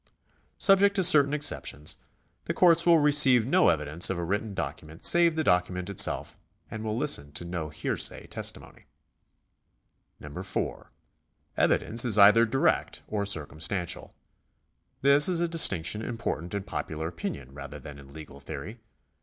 Subject to certain exceptions, the courts will receive no evidence of a written document save the document itself, and will listen to no hear say testimon3\ 4. Evidence is either direct or circumstantial. This is a dis tinction important in popular opinion rather than in legal theory.